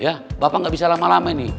bapak enggak bisa lama lama ini